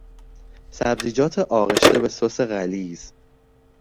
سبزیجات آغشته به سس غلیظ